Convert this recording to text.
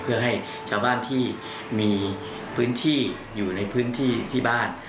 เพื่อให้ชาวบ้านที่มีพื้นที่อยู่ในพื้นที่ที่บ้าน